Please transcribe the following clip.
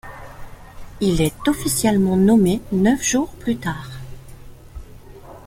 Il est officiellement nommé neuf jours plus tard.